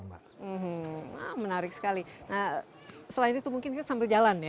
menarik sekali nah selain itu mungkin kita sambil jalan ya